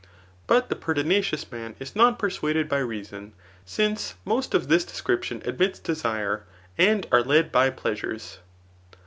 But the pertinacious man is not persuaded by reason ; since most of this de* scription admit desire, and are led by pleasures.